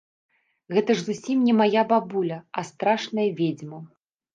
Гэта ж зусім не мая бабуля, а страшная ведзьма.